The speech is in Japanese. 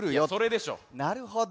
なるほど。